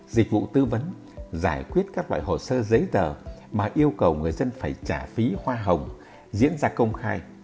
dịch vụ tư vấn giải quyết các loại hồ sơ giấy tờ mà yêu cầu người dân phải trả phí hoa hồng diễn ra công khai